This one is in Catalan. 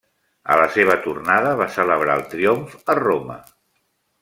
A la seva tornada va celebrar el triomf a Roma.